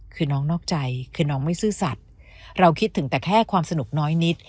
คือน้องนอกใจคือน้องไม่ซื่อสัตว์เราคิดถึงแต่แค่ความสนุกน้อยนิด